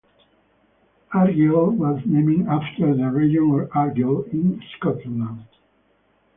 Argyle was named after the region of Argyll, in Scotland.